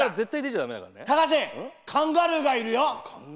隆、カンガルーがいるよ！